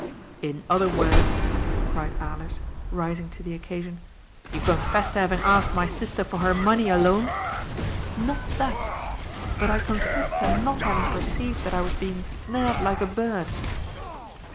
" In other words," cried Alers, rising to the occasion, "you confess to having asked my sister for her money alone?" " Not that. But I confess to not having perceived that I was being snared like a bird."